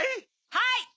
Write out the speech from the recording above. はい！